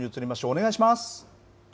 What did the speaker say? お願いします。